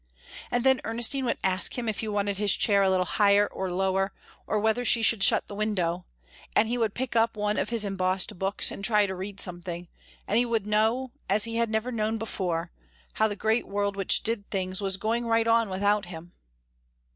And then Ernestine would ask him if he wanted his chair a little higher or lower, or whether she should shut the window; and he would pick up one of his embossed books and try to read something, and he would know, as he had never known before, how the great world which did things was going right on without him.